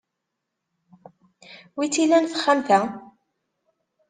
Wi tt-ilan texxamt-a?